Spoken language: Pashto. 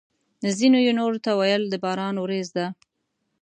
ځینو یې نورو ته ویل: د باران ورېځ ده!